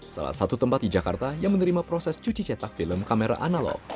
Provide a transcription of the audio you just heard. salah satu tempat di jakarta yang menerima proses cuci cetak film kamera analog